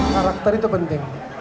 karakter itu penting